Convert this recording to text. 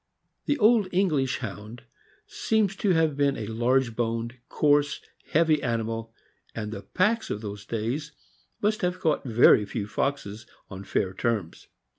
The old English Hound seems to have been a large boned, coarse, heavy animal; and the packs of those days must have caught very few foxes on fair terms.